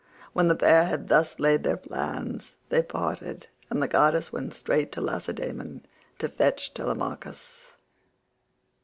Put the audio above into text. When the pair had thus laid their plans they parted, and the goddess went straight to Lacedaemon to fetch Telemachus.